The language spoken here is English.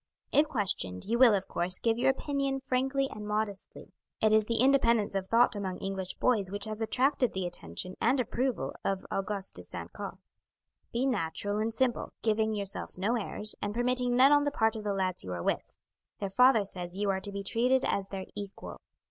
If questioned, you will, of course, give your opinion frankly and modestly; it is the independence of thought among English boys which has attracted the attention and approval of Auguste de St. Caux. "Be natural and simple, giving yourself no airs, and permitting none on the part of the lads you are with; their father says you are to be treated as their equal.